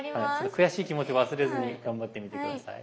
悔しい気持ちを忘れずに頑張ってみて下さい。